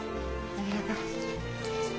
ありがとう。